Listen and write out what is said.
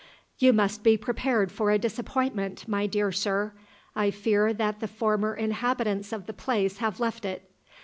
"You must be prepared for a disappointment, my dear sir. I fear that the former inhabitants of the place have left it.